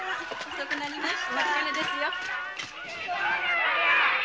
遅くなりました。